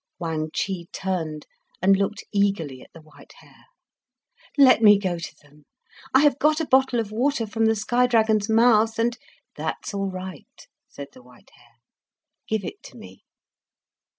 Wang Chih turned, and looked eagerly at the White Hare. "Let me go to them," he said. "I have got a bottle of water from the sky dragon's mouth, and " "That's all right," said the White Hare. "Give it to me."